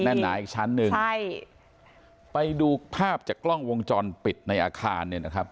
หนาอีกชั้นหนึ่งใช่ไปดูภาพจากกล้องวงจรปิดในอาคารเนี่ยนะครับ